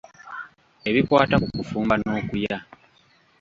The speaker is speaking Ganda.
Ebikwata ku kufumba n’okulya.